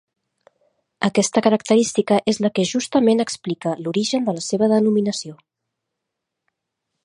Aquesta característica és la que justament explica l'origen de la seva denominació.